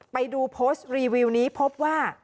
ไปดูโพสต์รีวิวนี้พบว่า